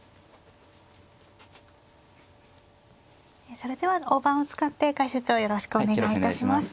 それでは大盤を使って解説をよろしくお願いいたします。